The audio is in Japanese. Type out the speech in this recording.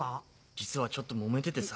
実はちょっとモメててさ。